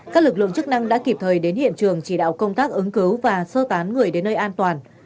các lực lượng chức năng đã kịp thời đến hiện trường chỉ đạo công tác ứng cứu và sơ tán người đến nơi an toàn